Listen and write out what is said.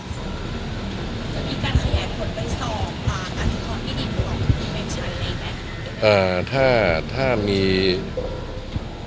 จะมีการแข่งผลไปสอบปลากับผลไม่ได้ตรวจสอบอย่างไรใช่ไหม